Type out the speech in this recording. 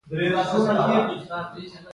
سترګې ټولو ښکلې کړکۍ دي.